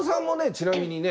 ちなみにね